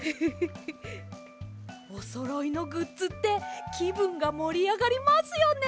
おそろいのグッズってきぶんがもりあがりますよね！